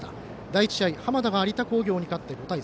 第１試合、浜田が有田工業に勝って５対３。